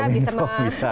menkom info bisa